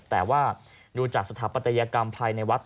แต่ว่าดูจากสถาปัตยกรรมภายในวัด